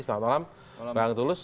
selamat malam bang tulus